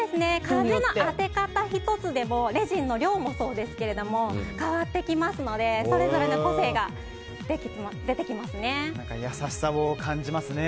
風の当て方１つでもレジンの量もそうですけれども変わってきますのでそれぞれの個性が出てきますね。